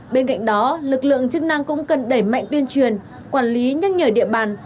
bên cạnh đó lực lượng chức năng cũng cần đẩy mạnh tuyên truyền quản lý nhắc nhở địa bàn